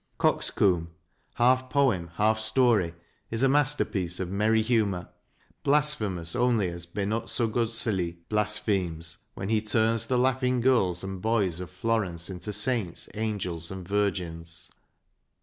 " Coxcomb," half poem, half story, is a masterpiece of merry humour blasphemous only as Benozzo Gozzoli blasphemes when he turns the laugh ing girls and boys of Florence into saints, angels, and virgins.